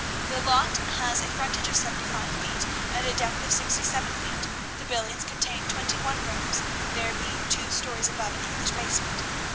The lot has a frontage of seventy five feet, and a depth of sixty seven feet. The building contains twenty one rooms, there being two stories above an English basement.